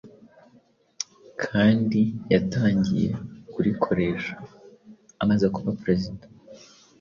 kandi yatangiye kurikoresha amaze kuba Perezida.